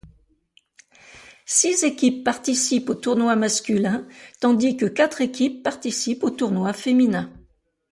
Six équipes participent au tournoi masculin, tandis que quatre équipes participent au tournoi féminin.